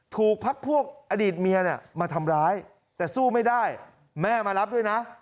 พักพวกอดีตเมียเนี่ยมาทำร้ายแต่สู้ไม่ได้แม่มารับด้วยนะ